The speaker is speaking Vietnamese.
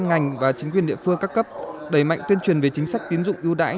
ngành và chính quyền địa phương các cấp đẩy mạnh tuyên truyền về chính sách tiến dụng ưu đãi